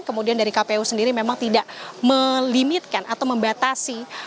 kemudian dari kpu sendiri memang tidak melimitkan atau membatasi